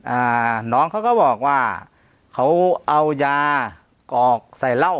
อ่าน้องเขาก็บอกว่าเขาเอายากอกใส่เหล้า